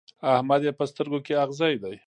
احمد يې په سترګو کې اغزی دی.